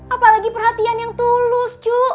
apalagi perhatian yang tulus cu